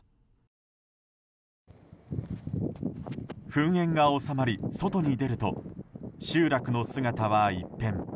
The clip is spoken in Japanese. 噴煙が収まり外に出ると集落の姿は一変。